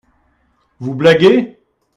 Vous blaguez ?